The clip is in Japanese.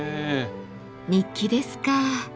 日記ですか。